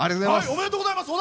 おめでとうございます！